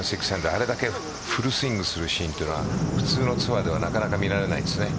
これだけフルスイングするシーンというのは普通のツアーではなかなか見られないですね。